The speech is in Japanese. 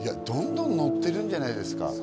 どんどん乗ってるんじゃないですか？